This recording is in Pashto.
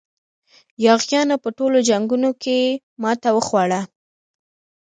یاغیانو په ټولو جنګونو کې ماته وخوړه.